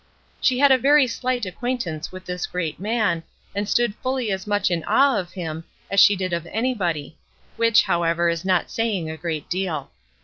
She had a very slight acquaintance with this great man, and stood fully as much in awe of him as she did of anybody; which, however, is not saying a great deal.